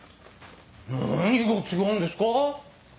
何が違うんですか？